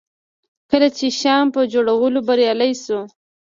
کله چې شیام په جوړولو بریالی شو.